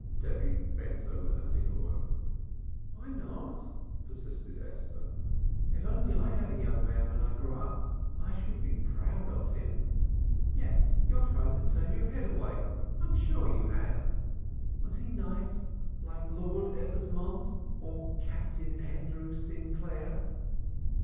Debby bent over her needle work. "Why not?" persisted Esther. "If I only had a young man when I grew up, I should be proud of him. Yes, you're trying to turn your head away. I'm sure you had. Was he nice like Lord Eversmonde or Captain Andrew Sinclair?